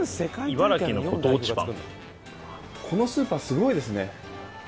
「茨城のご当地パン」